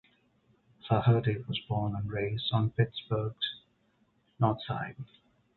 Flaherty was born and raised on Pittsburgh's North Side.